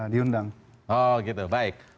diundang oh gitu baik